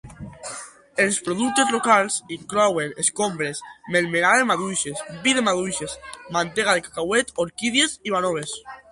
Els productes locals inclouen escombres, melmelada de maduixes, vi de maduixes, mantega de cacauet, orquídies i vànoves.